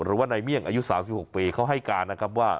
หรือว่าในเมี่ยงอายุ๓๖ปีเขาให้การนะครับว่า